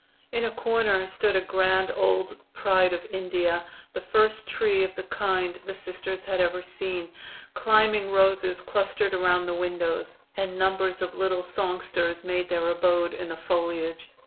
In a corner stood a grand old "Pride of India," the first tree of the kind the Sisters had ever seen; climbing roses clustered around the windows, and numbers of little songsters made their abode in the foliage.